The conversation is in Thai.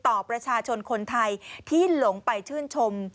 ต่อประชาชนคนไทยที่หลงไปชื่นชม